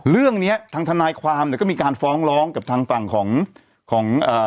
เรื่องเนี้ยทางทนายความเนี่ยก็มีการฟ้องร้องกับทางฝั่งของของเอ่อ